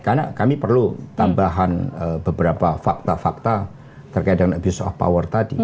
karena kami perlu tambahan beberapa fakta fakta terkait dengan abuse of power tadi